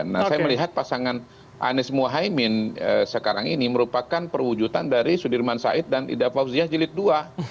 nah saya melihat pasangan anies muhaimin sekarang ini merupakan perwujudan dari sudirman said dan ida fauzia jelit dua